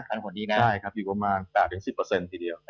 ใช่ครับอยู่กว่ามาก๘๑๐ทีเดียว